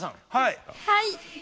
はい！